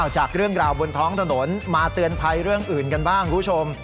จากเรื่องราวบนท้องถนนมาเตือนภัยเรื่องอื่นกันบ้างคุณผู้ชม